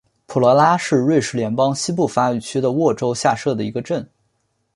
罗普拉是瑞士联邦西部法语区的沃州下设的一个镇。